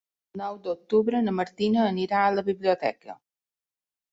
El nou d'octubre na Martina anirà a la biblioteca.